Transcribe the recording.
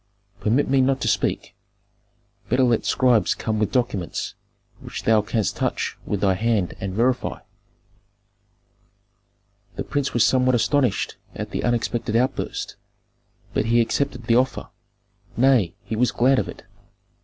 Permit me not to speak. Better let scribes come with documents, which thou canst touch with thy hand and verify." The prince was somewhat astonished at the unexpected outburst, but he accepted the offer; nay, he was glad of it.